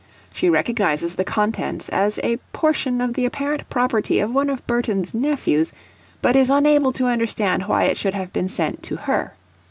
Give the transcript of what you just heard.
She recognizes the contents as a portion of the apparent property of one of Burton's nephews, but is unable to understand why it should have been sent to her.